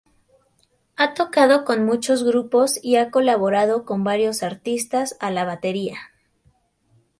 Ha tocado con muchos grupos y ha colaborado con varios artistas a la batería.